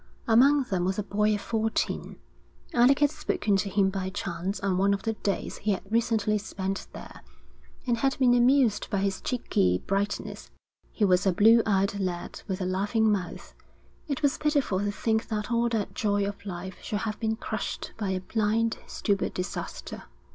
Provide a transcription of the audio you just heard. Among them was a boy of fourteen. Alec had spoken to him by chance on one of the days he had recently spent there, and had been amused by his cheeky brightness. He was a blue eyed lad with a laughing mouth. It was pitiful to think that all that joy of life should have been crushed by a blind, stupid disaster.